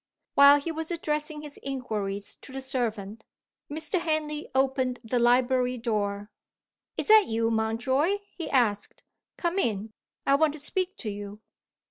While he was addressing his inquiries to the servant, Mr. Henley opened the library door. "Is that you, Mountjoy?" he asked. "Come in: I want to speak to you."